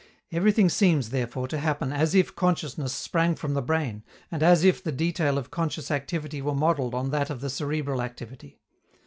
Everything seems, therefore, to happen as if consciousness sprang from the brain, and as if the detail of conscious activity were modeled on that of the cerebral activity.